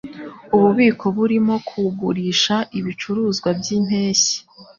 Ububiko burimo kugurisha ibicuruzwa byimpeshyi.